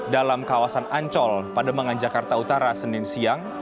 dalam kawasan ancol pademangan jakarta utara senin siang